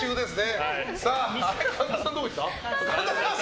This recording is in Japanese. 神田さん、どこ行った？